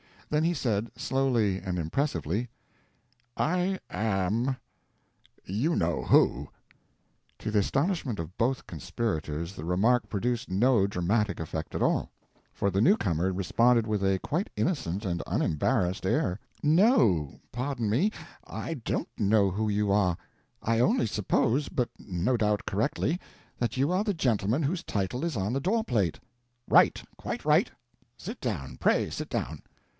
Then he said, slowly and impressively—"I am—You Know Who." To the astonishment of both conspirators the remark produced no dramatic effect at all; for the new comer responded with a quite innocent and unembarrassed air— "No, pardon me. I don't know who you are. I only suppose—but no doubt correctly—that you are the gentleman whose title is on the doorplate." "Right, quite right—sit down, pray sit down."